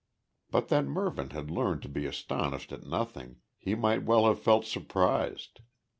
But that Mervyn had learned to be astonished at nothing, he might well have felt surprised.